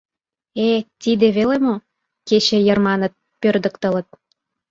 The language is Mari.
Э-э, тиде веле мо? — кече йыр, маныт, пӧрдыктылыт.